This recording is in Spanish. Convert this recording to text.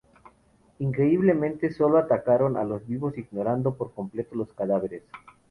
Increíblemente, solo atacaron a los vivos ignorando por completo los cadáveres.